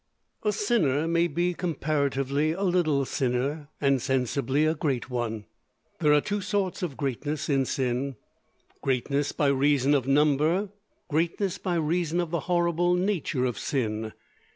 "A sinner may be comparatively a little sinner, and sensibly a great one. There are two sorts of greatness in sin: greatness by reason of number; greatness by reason of the horrible nature of sin.